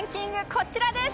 こちらです。